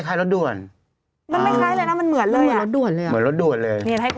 อย่าดูโทรศัพท์เช้านะครับ